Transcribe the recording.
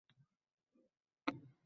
U bir yorugʻlik olib kirmoqda